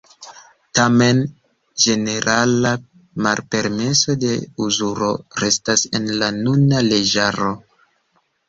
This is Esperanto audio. Tamen, ĝenerala malpermeso de uzuro restas en la nuna leĝaro.